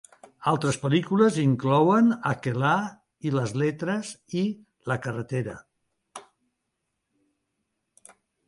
Altres pel·lícules inclouen "Akeelah y las letras" i "La carretera".